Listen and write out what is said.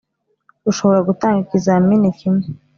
rushobora gutanga ikizamini kimwe